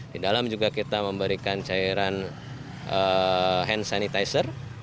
di dalam juga kita memberikan cairan hand sanitizer